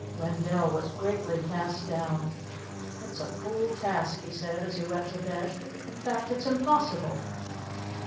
Wendell was greatly cast down. "It's a fool task," he said as he went to bed. "In fact, it's impossible."